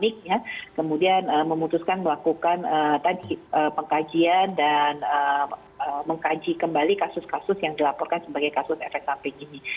dan kemudian memutuskan melakukan pengkajian dan mengkaji kembali kasus kasus yang dilaporkan sebagai kasus efek samping ini